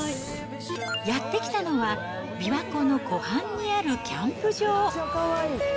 やって来たのは、琵琶湖の湖畔にあるキャンプ場。